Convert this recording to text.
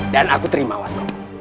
dan aku terima waskolo